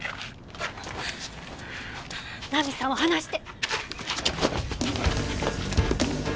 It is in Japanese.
奈美さんを離して！